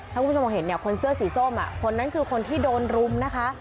ถ้าคุณผู้ชมเห็นเนี่ยคนเสื้อสีส้มคนนั้นคือคนที่โดนรุมนะคะ